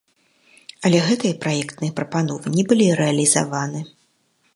Але гэтыя праектныя прапановы не былі рэалізаваны.